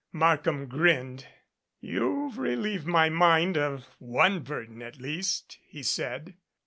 Markham grinned. "You've relieved my mind of one burden, at least," he said.